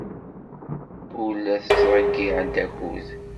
Ur la ttḍeyyiɛent akud.